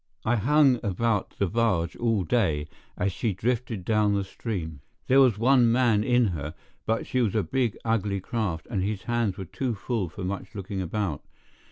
I hung about the barge all day as she drifted down the stream. There was one man in her, but she was a big, ugly craft, and his hands were too full for much looking about.